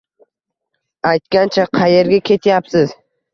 -Aytgancha, qayerga ketyapsiz?